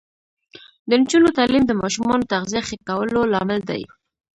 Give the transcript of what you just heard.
د نجونو تعلیم د ماشومانو تغذیه ښه کولو لامل دی.